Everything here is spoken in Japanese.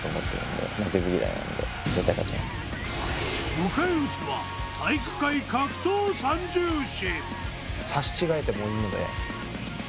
迎え撃つは、体育会格闘三銃士。